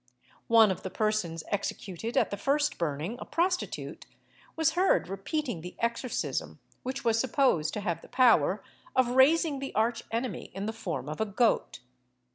One of the persons executed at the first burning, a prostitute, was heard repeating the exorcism which was supposed to have the power of raising the arch enemy in the form of a goat.